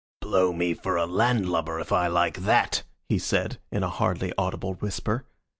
"Blow me for a landlubber if I like that!" he said, in a hardly audible whisper.